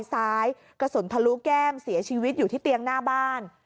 ซ้ายกระสุนทะลุแก้มเสียชีวิตอยู่ที่เตียงหน้าบ้าน